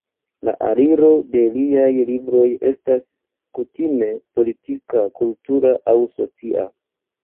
La aliro de liaj libroj estas kutime politika, kultura, aŭ socia.